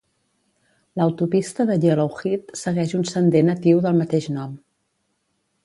L'autopista de Yellowhead segueix un sender natiu del mateix nom.